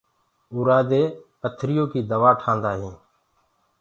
اورآ دي پٿريو ڪي دوآ ٺآندآ هينٚ۔